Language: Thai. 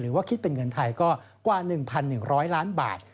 ว่าคิดเป็นเงินไทยก็กว่า๑๑๐๐ล้านบาท